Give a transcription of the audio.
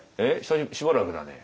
しばらくだね」。